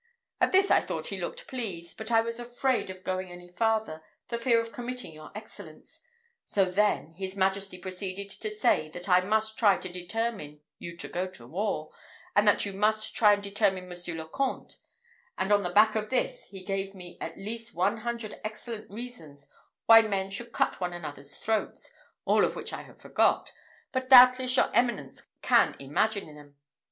At this I thought he looked pleased; but I was afraid of going any farther, for fear of committing your Excellence. So then, his majesty proceeded to say that I must try and determine you to war, and that you must try and determine Monsieur le Comte; and on the back of this he gave me at least one hundred excellent reasons why men should cut one another's throats, all which I have forgot; but doubtless your Eminence can imagine them.